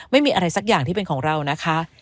ไม่มีอะไรสักอย่างที่เป็นของเรานะคะ